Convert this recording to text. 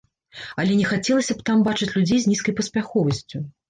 Але не хацелася б там бачыць людзей з нізкай паспяховасцю.